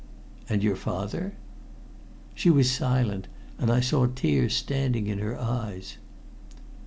"And your father?" She was silent, and I saw tears standing in her eyes.